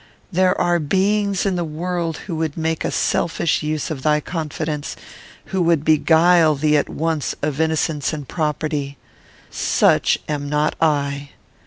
There are beings in the world who would make a selfish use of thy confidence; who would beguile thee at once of innocence and property. Such am not I.